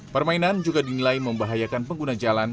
permainan juga dinilai membahayakan pengguna jalan